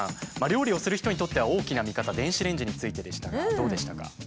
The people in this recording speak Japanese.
料理をする人にとっては大きな味方電子レンジについてでしたがどうでしたか？